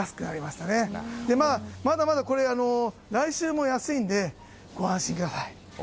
これは、まだまだ来週も安いのでご安心ください。